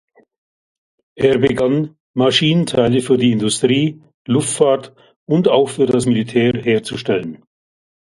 Er begann, Maschinenteile für die Industrie, Luftfahrt und auch für das Militär herzustellen.